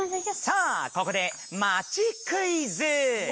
さあここでまちクイズ！